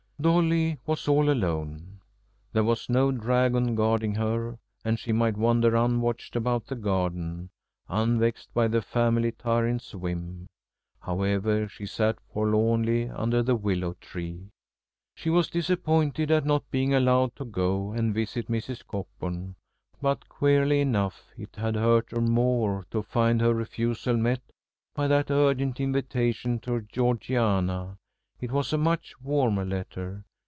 III. Dolly was all alone. There was no dragon guarding her, and she might wander unwatched about the garden, unvexed by the family tyrant's whim. However, she sat forlornly under the willow tree. She was disappointed at not being allowed to go and visit Mrs. Cockburn, but, queerly enough, it had hurt her more to find her refusal met by that urgent invitation to Georgiana. It was a much warmer letter.